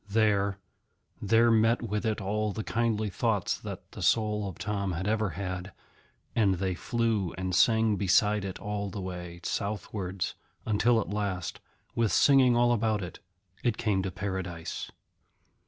There, there met with it all the kindly thoughts that the soul of Tom had ever had, and they flew and sang beside it all the way southwards, until at last, with singing all about it, it came to Paradise.